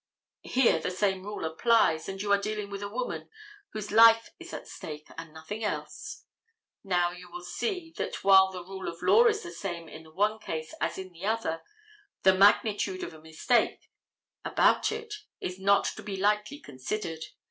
Here the same rule applies, and you are dealing with a woman, whose life is at stake, and nothing else. Now, you will see that while the rule of law is the same in the one case as in the other, the magnitude of a mistake about it is not to be lightly considered.